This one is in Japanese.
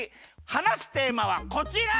はなすテーマはこちら。